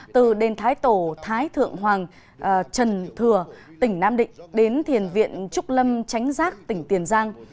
từ đền thái tổ thái thượng hoàng trần thừa tỉnh nam định đến thiền viện trúc lâm tránh giác tỉnh tiền giang